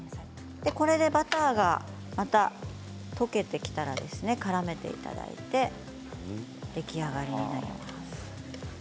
これでバターがまた溶けてきたらですねからめていただいて出来上がりになります。